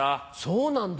そうなんだ。